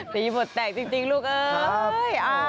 ตีบทแตกจริงลูกเอ้ย